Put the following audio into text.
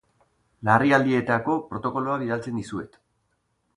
Larrialdietako protokoloa bidaltzen dizuet.